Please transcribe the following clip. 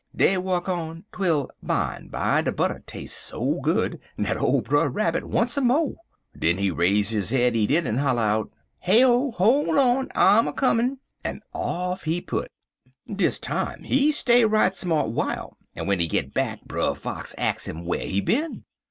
"Dey wuk on twel bimeby de butter tas'e so good dat ole Brer Rabbit want some mo'. Den he raise up his head, he did, en holler out: "'Heyo! Hol' on! I'm a comin'!' en off he put. "Dis time he stay right smart w'ile, en w'en he git back Brer Fox ax him whar he bin.